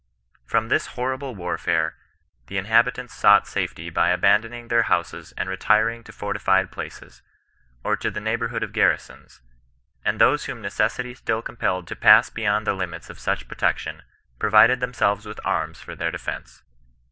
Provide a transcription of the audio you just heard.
From this horrible warfare the inhabitants sought safety by abandoning their houses and retiring to fortified places, or to the neighbourhood of garrisons ; and those whom necessity still compelled to pass beyond the limits of such protection, provided themselves with arms for their defence.